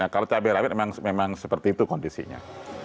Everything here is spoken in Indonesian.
kalau cabai rawit memang seperti itu kondisinya